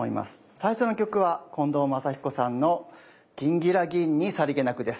最初の曲は近藤真彦さんの「ギンギラギンにさりげなく」です。